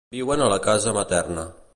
Viuen a la casa materna.